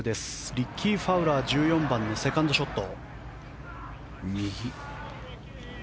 リッキー・ファウラー１４番のセカンドショット。